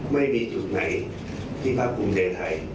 ไม่มีจุดไหนที่ภักษ์คุณเจนไทย